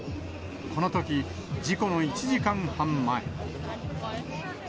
このとき、事故の１時間半前。